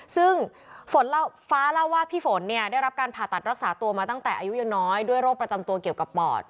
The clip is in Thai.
ซึ่งฟ้าเล่าว่าพี่ฝนเนี่ยได้รับการผ่าตัดรักษาตัวมาตั้งแต่อายุยังน้อยด้วยโรคประจำตัวเกี่ยวกับปอด